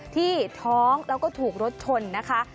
ที่ท้องแล้วก็ถูกรถชนนะคะ